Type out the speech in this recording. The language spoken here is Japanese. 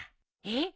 えっ？